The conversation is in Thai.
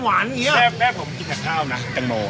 แม่ผมกินข้าวนะจังโม